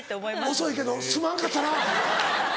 遅いけどすまんかったな！